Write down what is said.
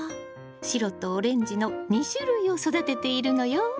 白とオレンジの２種類を育てているのよ！